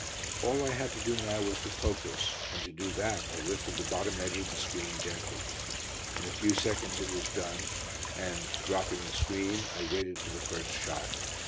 All I had to do now was to focus, and to do that I lifted the bottom edge of the screen gently. In a few seconds it was done, and dropping the screen, I waited for the first shot.